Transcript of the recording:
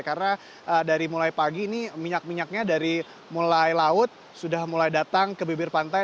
karena dari mulai pagi ini minyak minyaknya dari mulai laut sudah mulai datang ke bibir pantai